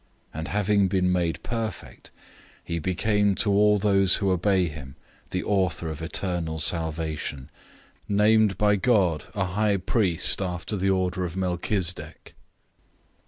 005:009 Having been made perfect, he became to all of those who obey him the author of eternal salvation, 005:010 named by God a high priest after the order of Melchizedek.